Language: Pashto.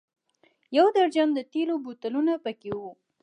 یو درجن د تېلو بوتلونه په کې و.